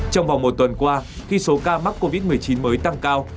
trong vòng một tuần qua khi số ca mắc covid một mươi chín mới tăng cao